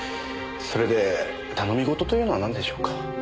それで頼み事というのはなんでしょうか？